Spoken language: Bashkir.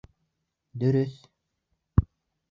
Дөрөҫ!.